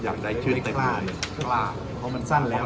อยากได้ชื่นใต้กล้าเพราะมันสั้นแล้ว